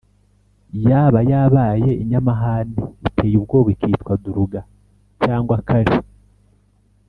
yaba yabaye inyamahane iteye ubwoba ikitwa duruga cyangwa kali